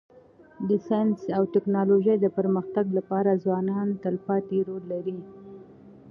د ساینس او ټکنالوژۍ د پرمختګ لپاره ځوانان تلپاتی رول لري.